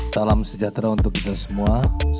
salam sejahtera untuk kita semua